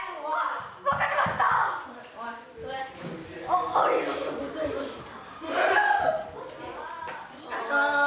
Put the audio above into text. あありがとうございました。